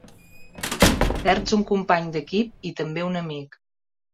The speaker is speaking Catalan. Perds un company d'equip i també un amic.